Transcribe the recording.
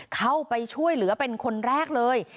เข้าไปช่วยเหลือเป็นคนแรกเลย